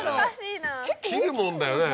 切るもんだよね？